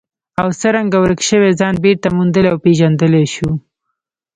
او څرنګه ورک شوی ځان بېرته موندلی او پېژندلی شو.